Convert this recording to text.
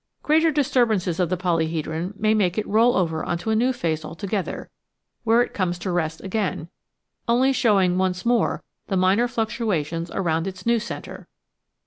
Greater disturbances of the polyhedron may make it roll over on to a new face altogether, where it comes to rest again, only showing once more the minor fluctuations around its new centre.